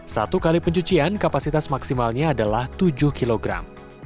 satu kali pencucian kapasitas maksimalnya adalah tujuh kilogram